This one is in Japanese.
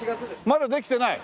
まだできてない！